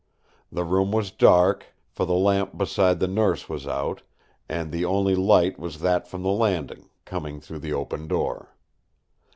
The room was dark, for the lamp beside the Nurse was out, and the only light was that from the landing, coming through the open door.